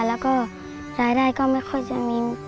แล้วก็รายได้ก็ไม่ค่อยจะมี